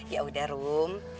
ya udah rum